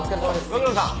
ご苦労さん！